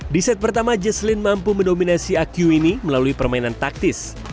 di set pertama jasleen mampu mendominasi aque ini melalui permainan taktis